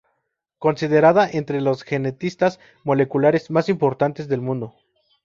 Considerada entre los genetistas moleculares más importantes del mundo.